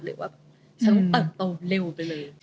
หรือว่าจะต้องเติบโตเร็วไปเลย